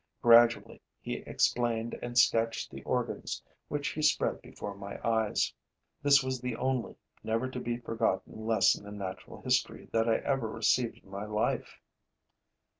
Gradually he explained and sketched the organs which he spread before my eyes. This was the only, never to be forgotten lesson in natural history that I ever received in my life.